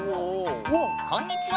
こんにちは！